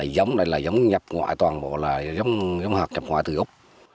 giống như nhập ngoại toàn bộ giống như nhập ngoại từ úc